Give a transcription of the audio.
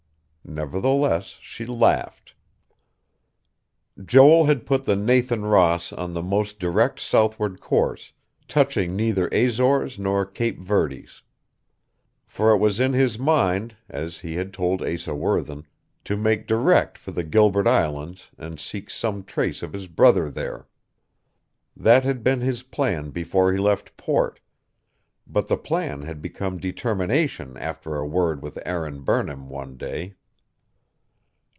Nevertheless, she laughed.... Joel had put the Nathan Ross on the most direct southward course, touching neither Azores nor Cape Verdes. For it was in his mind, as he had told Asa Worthen, to make direct for the Gilbert Islands and seek some trace of his brother there. That had been his plan before he left port; but the plan had become determination after a word with Aaron Burnham, one day.